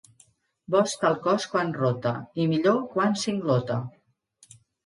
Bo està el cos quan rota, i millor quan singlota.